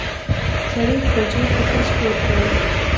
سړي خپل زوی په خره سپور کړ.